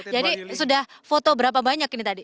jadi sudah foto berapa banyak ini tadi